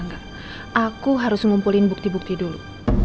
enggak aku harus ngumpulin bukti bukti dulu